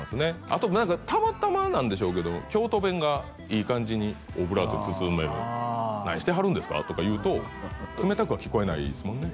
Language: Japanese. あと何かたまたまなんでしょうけど京都弁がいい感じにオブラートに包める「何してはるんですか？」とか言うと冷たくは聞こえないですもんね